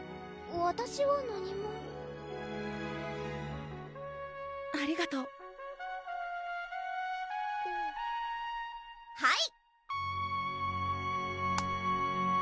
わたしは何もありがとうはい！